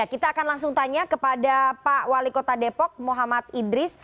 kita akan langsung tanya kepada pak wali kota depok muhammad idris